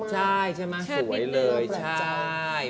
ใช่ใช่ไหมสวยเลยใช่